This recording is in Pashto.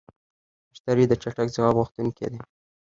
مشتری د چټک ځواب غوښتونکی دی.